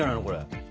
これ。